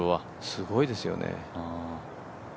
すごいですよね。